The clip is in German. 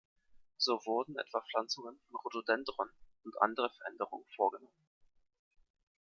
So wurden etwa Pflanzungen von Rhododendron und andere Veränderungen vorgenommen.